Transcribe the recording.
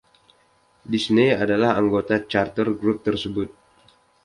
Disney adalah anggota charter grup tersebut.